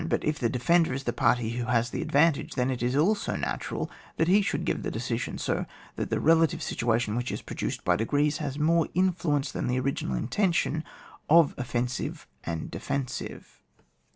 But if the defender is the party who has the advantage, then it is also natural that he should give the decision, so that the relative situation which is produced by degrees, has more influence than the original intention of offensive and de fensive.